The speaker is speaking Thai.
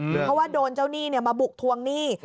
เพราะว่าโดนเจ้าหนี้มาบุกทวงหนี้